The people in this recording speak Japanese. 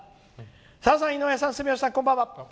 「さださん、井上さん、住吉さんこんばんは。